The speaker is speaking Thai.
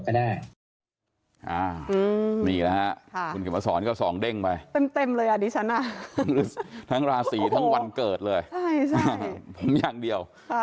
ก็คือ๘จบก็ได้